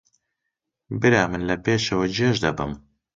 برا من لە پێشەوە گێژ دەبم